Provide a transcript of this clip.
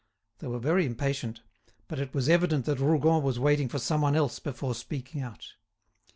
They were very impatient, but it was evident that Rougon was waiting for some one else before speaking out.